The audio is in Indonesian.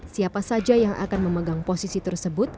siapa saja yang akan memegang posisi tersebut